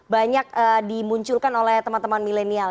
banyak dimunculkan oleh teman teman milenial